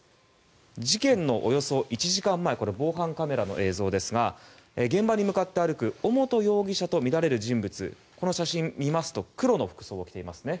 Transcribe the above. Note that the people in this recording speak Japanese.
事件のおよそ１時間前これ、防犯カメラの映像ですが現場に向かって歩く尾本容疑者とみられる人物この写真、見ますと黒の服装を着ていますね。